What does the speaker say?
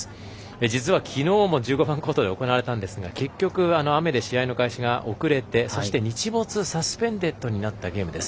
実は、きのうも１５番コートで行われたんですが、結局雨の影響で試合の開始が遅れてそして日没サスペンデッドになったゲームです。